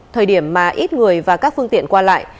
thời điểm mà ít người và các phương tiện qua lại